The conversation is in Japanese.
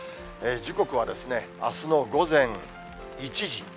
時刻はですね、あすの午前１時。